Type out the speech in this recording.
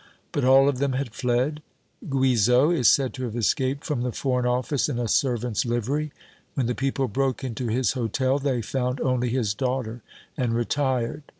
But all of them had fled. Guizot is said to have escaped from the Foreign Office in a servant's livery. When the people broke into his hôtel, they found only his daughter, and retired.